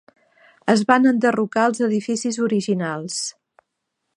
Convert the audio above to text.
Es van enderrocar els edificis originals.